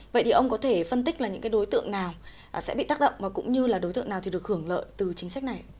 vậy thì ông có thể phân tích là những đối tượng nào sẽ bị tác động và cũng như đối tượng nào được hưởng lợi từ chính sách này